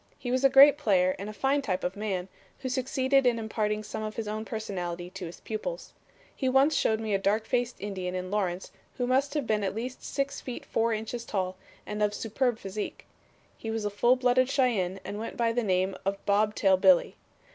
He was a great player and a fine type of man, who succeeded in imparting some of his own personality to his pupils. He once showed me a dark faced Indian in Lawrence who must have been at least six feet four inches tall and of superb physique. He was a full blooded Cheyenne and went by the name of Bob Tail Billy.